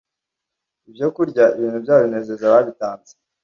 ibyokurya Ibintu byabo binezeza ababitanze